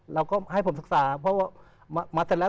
เราก็ให้ผมศึกษาเพราะว่ามาเสร็จแล้ว